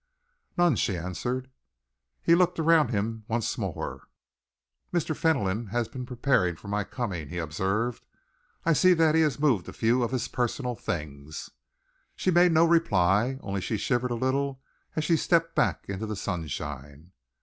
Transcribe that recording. "None," she answered. He looked around him once more. "Mr. Fentolin has been preparing for my coming," he observed. "I see that he has moved a few of his personal things." She made no reply, only she shivered a little as she stepped back into the sunshine.